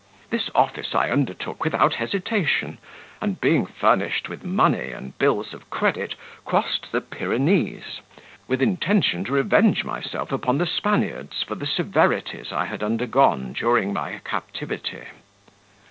This office I undertook without hesitation; and being furnished with money and bills of credit, crossed the Pyrenees, with intention to revenge myself upon the Spaniards for the severities I had undergone during my captivity.